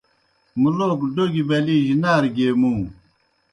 مُلوک ڈوگیْ بلِی جیْ نارہ گیے مُوں۔